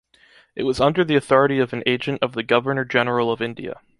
It was under the authority of an agent of the Governor-General of India.